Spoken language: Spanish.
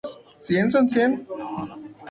Fue Gobernador de Distrito del Club de Leones.